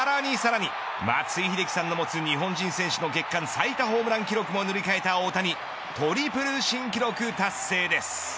さらにさらに松井秀喜さんの持つ日本新選手の月間最多ホームラン記録を塗り替えた大谷。